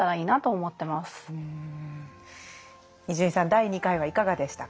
第２回はいかがでしたか？